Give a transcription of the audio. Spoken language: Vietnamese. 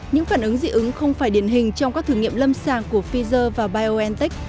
những phản ứng dị ứng không phải điển hình trong các thử nghiệm lâm sàng của pfizer và biontech